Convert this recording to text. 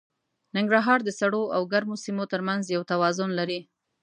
ننګرهار د سړو او ګرمو سیمو تر منځ یو توازن لري.